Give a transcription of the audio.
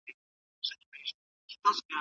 کلتوري اړیکو ډیپلوماسي لا پیاوړي کړې وه.